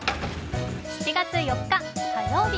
７月４日火曜日。